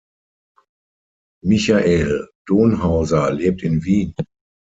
Michael Donhauser lebt in Wien.